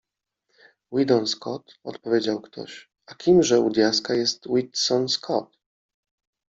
Weedon Scott odpowiedział ktoś. - A kimże, u diaska, jest Weedson Scott?